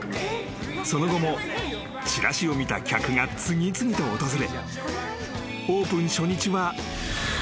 ［その後もチラシを見た客が次々と訪れ］